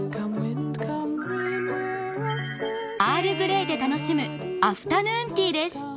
アールグレイで楽しむアフタヌーンティーです。